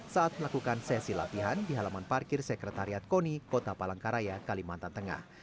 saat melakukan sesi latihan di halaman parkir sekretariat koni kota palangkaraya kalimantan tengah